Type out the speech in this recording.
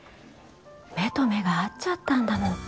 目と目が合っちゃったんだもん